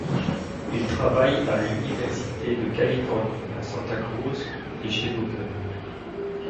Il travaille à l'université de Californie à Santa Cruz et chez Google.